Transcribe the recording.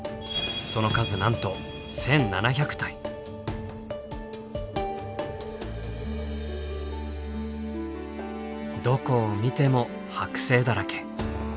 その数なんとどこを見ても剥製だらけ。